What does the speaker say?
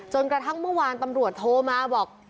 กระทั่งเมื่อวานตำรวจโทรมาบอก